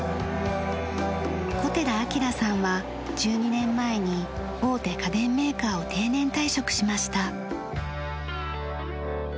小寺明さんは１２年前に大手家電メーカーを定年退職しました。